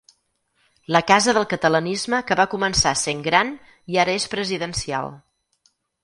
La casa del catalanisme que va començar sent gran i ara és presidencial.